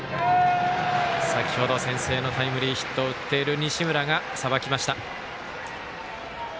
先ほど、先制のタイムリーヒットを打っている西村がさばきました。